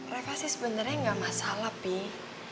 reva sih sebenernya gak masalah pih